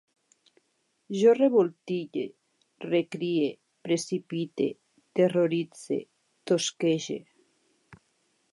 Jo revoltille,, recrie, precipite, terroritze, tosquege